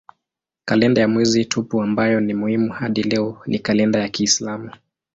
Kalenda ya mwezi tupu ambayo ni muhimu hadi leo ni kalenda ya kiislamu.